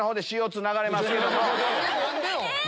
何でよ！